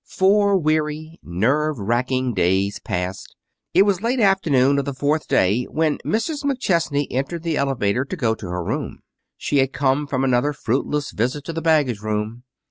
Four weary, nerve racking days passed. It was late afternoon of the fourth day when Mrs. McChesney entered the elevator to go to her room. She had come from another fruitless visit to the baggage room.